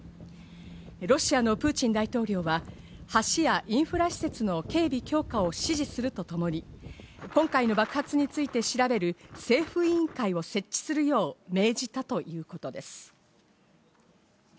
ロシアのプーチン大統領は橋やインフラ施設の警備強化を指示するとともに今回の爆発について調べる政府委員会を設置するよう命じたということです。